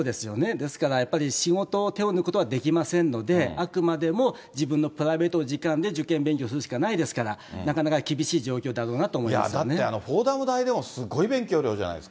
ですからやっぱり、仕事を手を抜くことはできませんので、あくまでも自分のプライベートの時間で受験勉強するしかないですから、なかなか厳しい状況だろうなと思だってフォーダム大でもすごそうです。